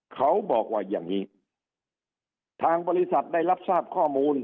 เขาบอกว่าอย่างนี้ทางบริษัทได้รับทราบข้อมูล